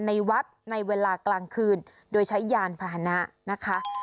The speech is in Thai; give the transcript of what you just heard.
ในวัดในเวลากลางคืนโดยใช้ยานพาหนะนะคะ